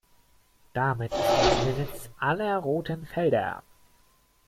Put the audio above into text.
Damit ist er in Besitz aller roten Felder.